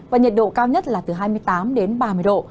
và nhiệt độ cao nhất là từ hai mươi tám đến ba mươi độ